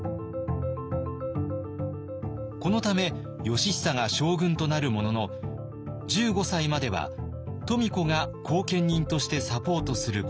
このため義尚が将軍となるものの１５歳までは富子が後見人としてサポートすることに。